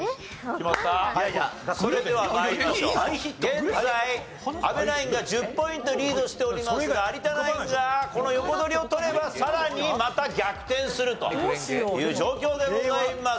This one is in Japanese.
現在阿部ナインが１０ポイントリードしておりますが有田ナインがこの横取りを取ればさらにまた逆転するという状況でございます。